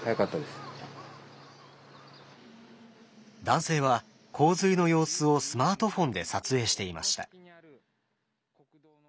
男性は洪水の様子をスマートフォンで撮影していました。